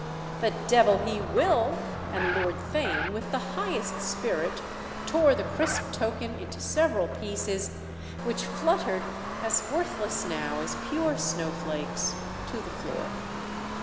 "The devil he will!"—and Lord Theign, with the highest spirit, tore the crisp token into several pieces, which fluttered, as worthless now as pure snowflakes, to the floor.